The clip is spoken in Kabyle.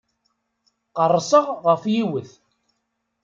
Qerrseɣ ɣef yiwet.